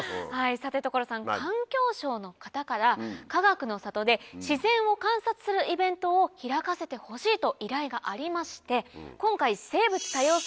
さて所さん環境省の方からかがくの里で自然を観察するイベントを開かせてほしいと依頼がありまして今回。を実施したんです。